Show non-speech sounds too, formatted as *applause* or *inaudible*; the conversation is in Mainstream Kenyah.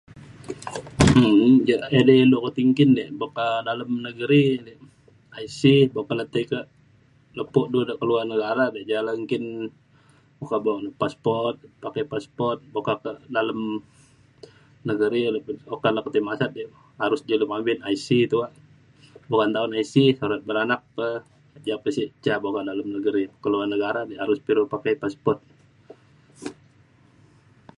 Edei lu ke ti nggin dei buk ka dalem negeri di IC buk ke le tai kak lepo du de ke luar negara di jalan nggin okak beng passport pakai passport buk kak ke dalem negeri ukat le tai masat ji harus ji lu mampin IC tuak buk *unintelligible* IC anak beranak pa ja pa sek ca okak dalam negeri ke luar negara di harus pa ilu pakai passport